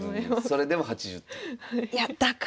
それでも８０点。